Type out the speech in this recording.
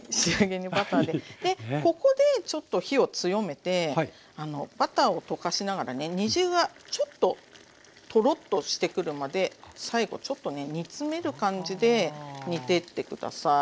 でここでちょっと火を強めてバターを溶かしながらね煮汁がちょっとトロッとしてくるまで最後ちょっとね煮詰める感じで煮てって下さい。